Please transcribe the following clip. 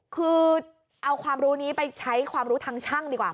คือเอาความรู้นี้ไปใช้ความรู้ทางช่างดีกว่า